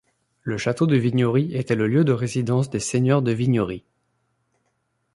Le château de Vignory était le lieu de résidence des seigneurs de Vignory.